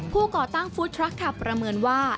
ก่อตั้งฟู้ดทรัคคลับประเมินว่า